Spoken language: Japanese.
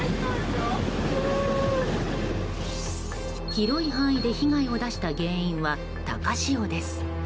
広い範囲で被害を出した原因は高潮です。